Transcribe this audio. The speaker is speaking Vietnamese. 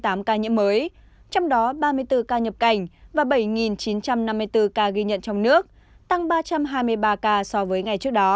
trong đó ba mươi bốn ca nhập cảnh và bảy chín trăm năm mươi bốn ca ghi nhận trong nước tăng ba trăm hai mươi ba ca so với ngày trước đó